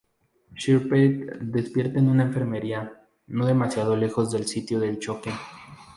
Shephard despierta en una enfermería, no demasiado lejos del sitio del choque.